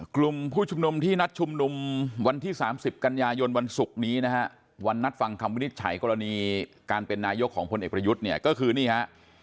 กลุ่มผู้ชุมนุมที่นัดชุมนุมวันที่๓๐กันยายนวันศุกร์นี้นะฮะวันนัดฟังคำวินิจฉัยกรณีการเป็นนายกของพลเอกประยุทธ์เนี่ยก็คือนี่ฮะ